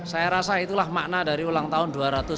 saya rasa itulah makna dari ulang tahun dua ratus tujuh puluh enam